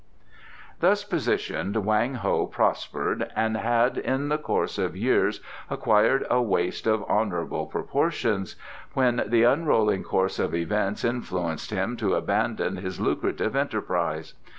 Thus positioned Wang Ho prospered, and had in the course of years acquired a waist of honourable proportions, when the unrolling course of events influenced him to abandon his lucrative enterprise.